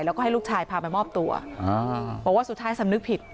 แล้วก็ให้ลูกชายพาไปมอบตัวบอกว่าสุดท้ายสำนึกผิด